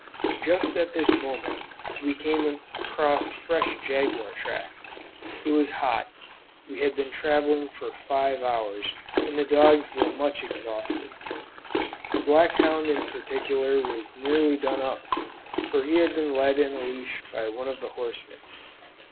Just at this moment we came across fresh jaguar tracks. It was hot, we had been travelling for five hours, and the dogs were much exhausted. The black hound in particular was nearly done up, for he had been led in a leash by one of the horsemen.